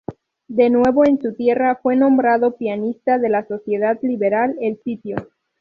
De nuevo en su tierra, fue nombrado pianista de la sociedad liberal El Sitio.